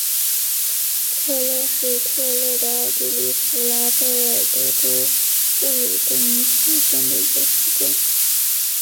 克勒施特勒是奥地利福拉尔贝格州布卢登茨县的一个市镇。